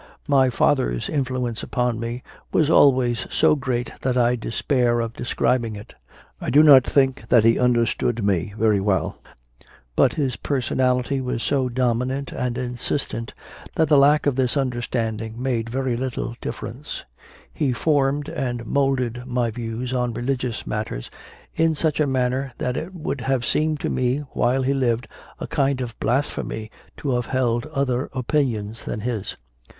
My father s influence upon me was always so great that I despair of describing it. I do not think that he understood me very well; but his personality was so dominant and insistent that the lack of this understanding made very little difference; he formed and moulded my views on religious matters in such a manner that it would have seemed to me, while he lived, a kind of blas phemy to have held other opinions than his.